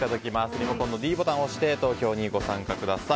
リモコンのｄボタンを押して投票にご参加ください。